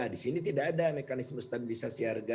disini tidak ada mekanisme stabilisasi harga